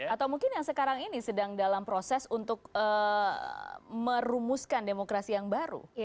atau mungkin yang sekarang ini sedang dalam proses untuk merumuskan demokrasi yang baru